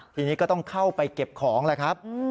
ทีนี้ก็ต้องเข้าไปเก็บของแหละครับ